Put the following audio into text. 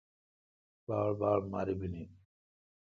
باڑباڑ مربینی ۔